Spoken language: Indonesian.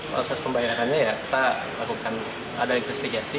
proses pembayarannya ya kita lakukan ada investigasi